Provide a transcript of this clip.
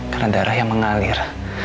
karena darah yang mengalir